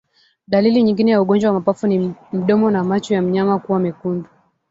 Dalili nyingine ya ugonjwa wa mapafu ni mdomo na macho ya mnyama kuwa mekundu